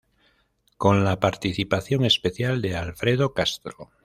Con la participación especial de Alfredo Castro.